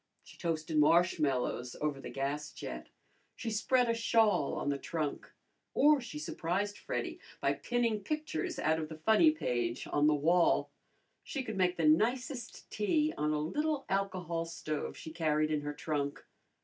She toasted marshmallows over the gas jet; she spread a shawl on the trunk; or she surprised Freddy by pinning pictures out of the funny page on the wall. She could make the nicest tea on a little alcohol stove she carried in her trunk.